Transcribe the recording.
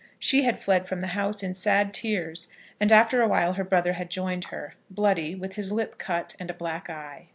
She had fled from the house in sad tears, and after a while her brother had joined her, bloody, with his lip cut and a black eye.